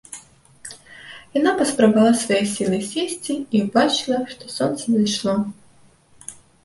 Яна паспрабавала свае сілы сесці і ўбачыла, што сонца зайшло.